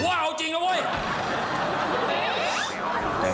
ว่าเอาจริงนะเว้ย